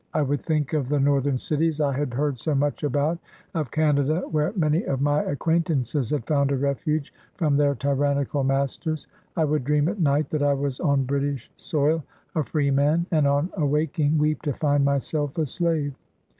I would think of the Northern cities I had heard so much about. — of Canada, where many of my 36 BIOGRAPHY OF acquaintances had found a refuge from their tyrannical masters. I would dream at night that I was on British soil, a freeman, and on awaking, weep to find myself a slave.